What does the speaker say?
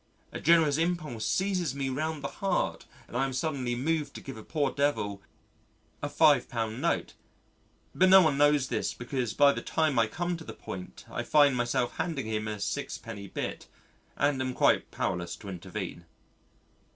A generous impulse seizes me round the heart and I am suddenly moved to give a poor devil a £5 note. But no one knows this because by the time I come to the point I find myself handing him a sixpenny bit and am quite powerless to intervene.